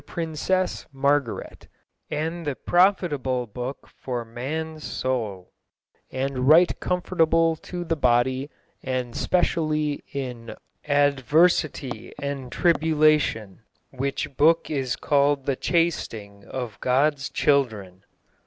pryncesse Margarete," and the "prouffytable boke for mannes soule and right comfortable to the body and specyally in aduersitee and trybulacyon, whiche boke is called The Chastysing of Goddes Chyldern."